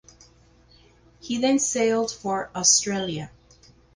He then sailed for Australia.